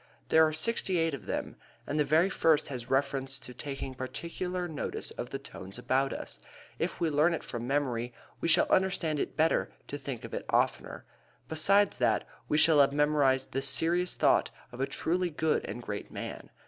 There are sixty eight of them, and the very first has reference to taking particular notice of the tones about us. If we learn it from memory we shall understand it better and think of it oftener. Besides that, we shall have memorized the serious thought of a truly good and great man.